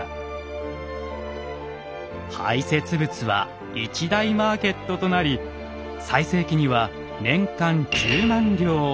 排せつ物は一大マーケットとなり最盛期には年間１０万両。